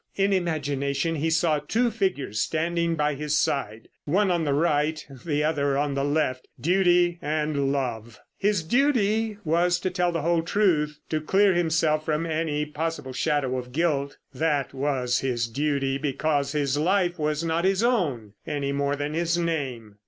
In imagination he saw two figures standing by his side; one on the right, the other on the left. Duty and Love. His duty was to tell the whole truth. To clear himself from any possible shadow of guilt. That was his duty, because his life was not his own any more than his name.